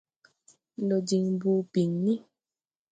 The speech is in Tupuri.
Ndɔ diŋ bɔɔ biŋni.